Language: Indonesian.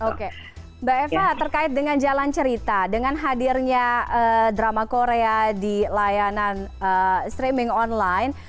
oke mbak eva terkait dengan jalan cerita dengan hadirnya drama korea di layanan streaming online